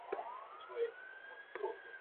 গো-গো মোমো থেকে মোমো।